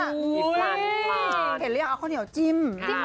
เห็นแล้วอยากเอาข้าวเหนียวจิ้ม